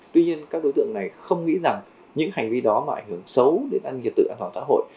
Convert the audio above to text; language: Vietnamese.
tuy nhiên các đối tượng này không nghĩ rằng những hành vi đó mà ảnh hưởng xấu đến an nghiệp tự an toàn tạo hội